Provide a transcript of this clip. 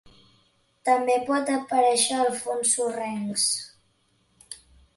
També pot aparèixer a fons sorrencs.